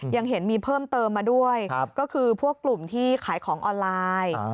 ยังเห็นมีเพิ่มเติมมาด้วยก็คือพวกกลุ่มที่ขายของออนไลน์